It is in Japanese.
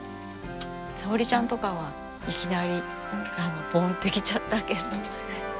さおりちゃんとかはいきなりぼんって来ちゃったけど。